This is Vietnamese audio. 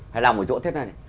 hài lòng ở chỗ thế này